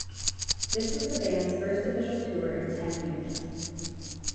This was the band's first official tour in ten years.